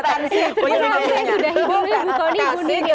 nanti saya akan jadi panglima